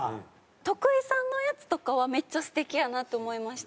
徳井さんのやつとかはめっちゃ素敵やなと思いました。